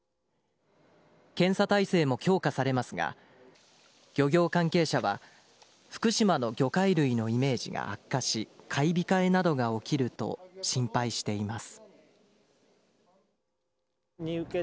検査体制も強化されますが、漁業関係者は福島の魚介類のイメージが悪化し、買い控えなどが起きると心配しています。